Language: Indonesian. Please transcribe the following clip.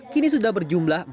kini sudah berjumlah